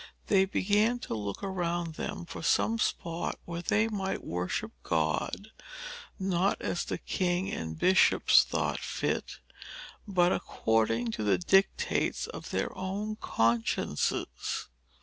They began to look around them for some spot where they might worship God, not as the king and bishops thought fit, but according to the dictates of their own consciences.